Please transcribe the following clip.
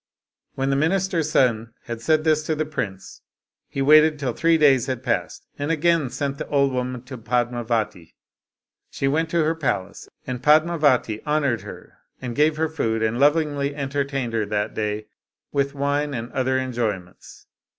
" When the minister's son had said this to the prince, he waited till three days had passed, and again sent the old woman to Padmivati. She went to her palace, and Padmi* vati honored her and gave her food, and lovingly enter tained her that day with wine and other enjoyments.